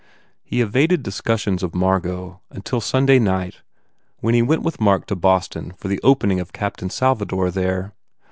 He evaded discussions of Margot until Sunday night when he went with Mark to Boston for the opening of u Captain Salvador" there.